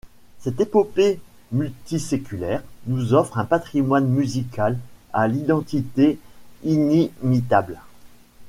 Cette épopée multiséculaire nous offre un patrimoine musical à l’identité inimitable.